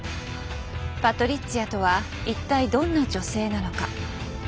パトリッツィアとは一体どんな女性なのか。